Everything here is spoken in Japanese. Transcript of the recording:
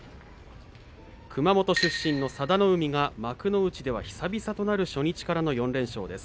熊本出身の佐田の海が幕内では久々となる初日からの４連勝です。